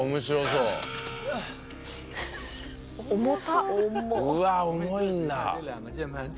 うわっ重いんだ。